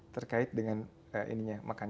terkait dengan ininya makan